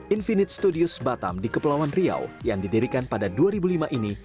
infinite studios batam di kepulauan riau yang didirikan pada dua ribu lima ini